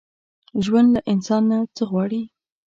ژوند له انسان نه څه غواړي؟